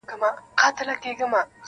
نن له هغې وني ږغونه د مستۍ نه راځي-